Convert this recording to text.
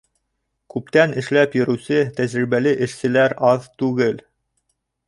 Күптән эшләп йөрөүсе тәжрибәле эшселәр аҙ түгел.